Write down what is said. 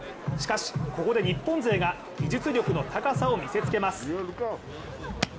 しかしここで日本勢が技術力の高さを見せつけます。